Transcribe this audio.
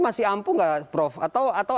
masih ampuh nggak prof atau